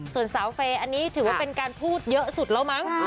ส่วนสาวเฟย์อันนี้ถือว่าเป็นการพูดเยอะสุดแล้วมั้ง